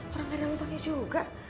orang ada lubangnya juga